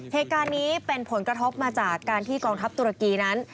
เหตุการณ์นี้เป็นผลกระทบมาจากการที่กองทัพตุรกีนั้น